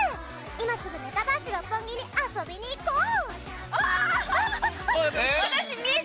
今すぐメタバース六本木に遊びに行こう！